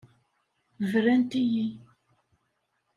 Brant-iyi.